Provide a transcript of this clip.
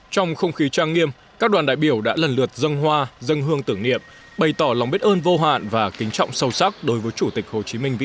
trong không khí trang nghiêm các đoàn đại biểu đã lần lượt dân hoa dân hương tưởng niệm bày tỏ lòng biết ơn vô hạn và kính trọng sâu sắc đối với chủ tịch hồ chí minh vĩ đại